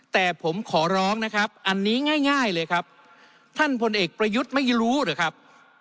แต่ผมขอร้องนะครับอันนี้ง่ายเลยครับท่านพลเอกประยุทธ์ไม่รู้หรือครับ